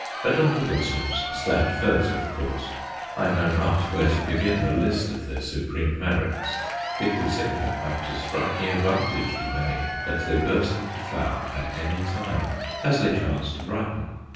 Odontoglossums stand first, of course I know not where to begin the list of their supreme merits. It will seem perhaps a striking advantage to many that they burst into flower at any time, as they chance to ripen.